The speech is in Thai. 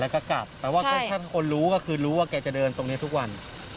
แล้วก็กลับแต่ว่าก็ถ้าคนรู้ก็คือรู้ว่าแกจะเดินตรงนี้ทุกวัน